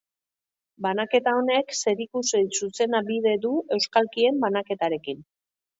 Banaketa honek zerikusi zuzena bide du euskalkien banaketarekin.